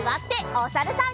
おさるさん。